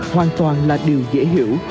hoàn toàn là điều dễ hiểu